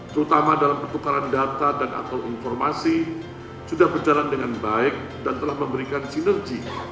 terutama dalam pertukaran data dan atau informasi sudah berjalan dengan baik dan telah memberikan sinergi